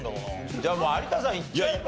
じゃあ有田さんいっちゃえば？